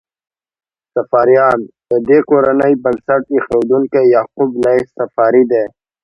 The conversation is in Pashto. صفاریان: د دې کورنۍ بنسټ ایښودونکی یعقوب لیث صفاري دی.